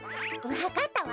わかったわ！